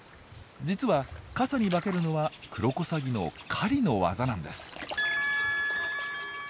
実は傘に化けるのはクロコサギの狩りの技なんです。